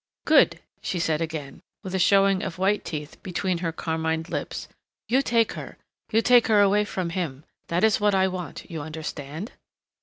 "Good!" she said again, with a showing of white teeth between her carmined lips. "You take her you take her away from him. That is what I want. You understand?"